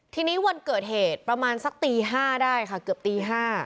ทีนี้วันเกิดเหตุประมาณสักตี๕ได้ค่ะเกือบตี๕